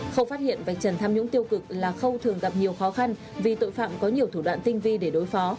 không phát hiện vạch trần tham nhũng tiêu cực là khâu thường gặp nhiều khó khăn vì tội phạm có nhiều thủ đoạn tinh vi để đối phó